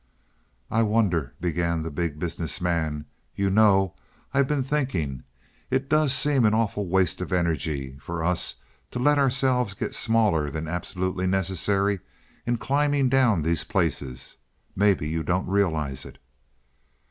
"I wonder " began the Big Business Man. "You know I've been thinking it does seem an awful waste of energy for us to let ourselves get smaller than absolutely necessary in climbing down these places. Maybe you don't realize it."